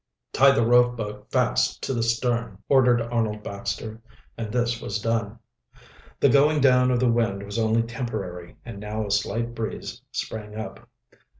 "Tie the rowboat fast to the stern," ordered Arnold Baxter, and this was done. The going down of the wind was only temporary, and now a slight breeze sprang up.